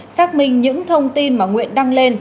xác minh những thông tin mà nguyễn đăng lên